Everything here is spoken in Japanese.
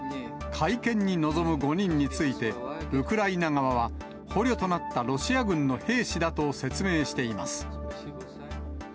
会見に臨む５人について、ウクライナ側は、捕虜となったロシア軍の兵士だと説明しています。